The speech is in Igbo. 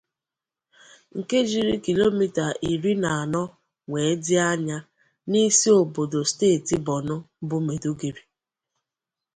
nke jiri kilomita iri na anọ wee dị anya n'isi obodo steeti Borno bụ Maiduguri